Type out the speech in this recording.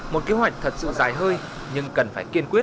một kế hoạch thật sự dài hơi nhưng cần phải kiên quyết